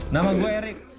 nama gue erik